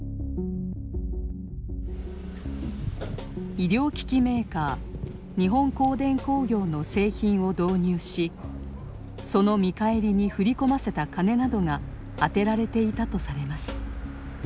医療機器メーカー日本光電工業の製品を導入しその見返りに振り込ませたカネなどが充てられていたとされます。